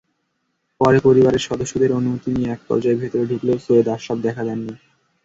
পরে পরিবারের সদস্যদের অনুমতি নিয়ে একপর্যায়ে ভেতরে ঢুকলেও সৈয়দ আশরাফ দেখা দেননি।